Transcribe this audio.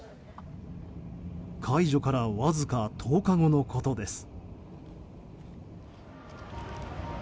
解除からわずか１０日後のことです。